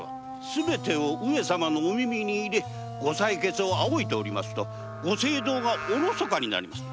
すべてを上様のお耳に入れご裁決を仰いでおりますとご政道がおろそかになります。